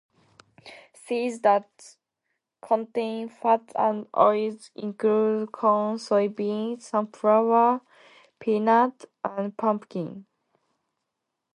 Seeds that contain fats and oils include corn, soybean, sunflower, peanut and pumpkin.